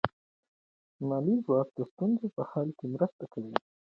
مالي ځواک د ستونزو په حل کې مرسته کوي.